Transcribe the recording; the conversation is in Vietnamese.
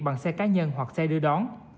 bằng xe cá nhân hoặc xe đưa đón